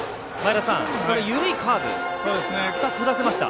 これ緩いカーブを２つ振らせました。